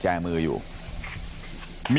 หกสิบล้าน